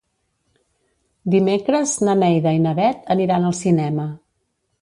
Dimecres na Neida i na Bet aniran al cinema.